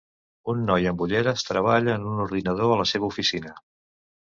Un noi amb ulleres treballa en un ordinador a la seva oficina.